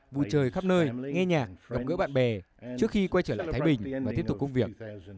vui chơi khắp nơi nghe nhạc gặp gỡ bạn bè trước khi quay trở lại thái bình mà tiếp tục công việc